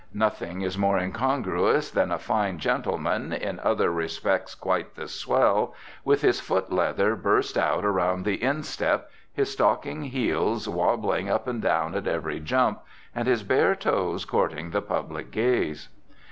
Nothing is more incongruous than a fine gentleman, in other respects quite the swell, with his foot leather burst out around the instep, his stocking heels wabbling up and down at every jump, and his bare toes courting the public gaze.